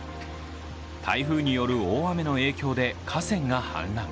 台風による大雨の影響で河川が氾濫。